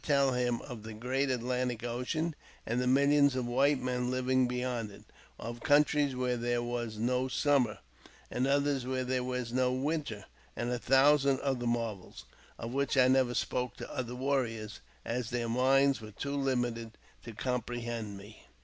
266 AUTOBIOGBAPHY OF him of the great Atlantic Ocean, and the millions of whit*' men living beyond it ; of countries where there was no smnmer, afid others where there was no winter, and a thousand other marvels, of which I never spoke to other warriors, as their minds were too limited to comprehend me.